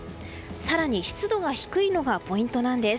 更に、湿度が低いのがポイントなんです。